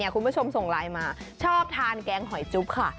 คุณผู้ชมส่งไลน์มาชอบทานแกงหอยจุ๊บค่ะ